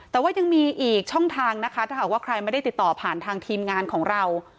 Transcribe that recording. แต่ว่ายังมีอีกช่องทางนะคะถ้าหากว่าใครไม่ได้ติดต่อผ่านทางทีมงานของเรา